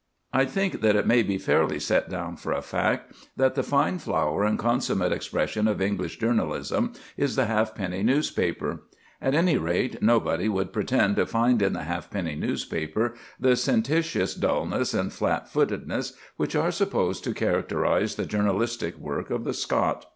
I think that it may be fairly set down for a fact that the fine flower and consummate expression of English journalism is the halfpenny newspaper. At any rate, nobody would pretend to find in the halfpenny newspaper the sententious dulness and flat footedness which are supposed to characterise the journalistic work of the Scot.